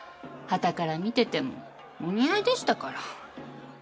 はたから見ててもお似合いでしたから。